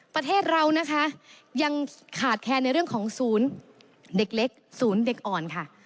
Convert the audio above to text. ประเทศเรานะคะยังขาดแคลนในเรื่องของศูนย์เด็กเล็กศูนย์เด็กอ่อนค่ะ